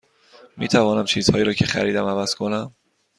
می توانم چیزهایی را که خریدم عوض کنم؟